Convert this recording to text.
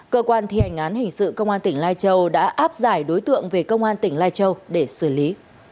cơ quan thi hành án hình sự công an tỉnh lai châu đã áp giải đối tượng về công an tỉnh lai châu để xử lý